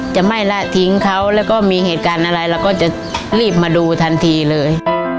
จะไม่ละทิ้งเขาแล้วก็มีเหตุการณ์อะไรเราก็จะรีบมาดูทันทีเลย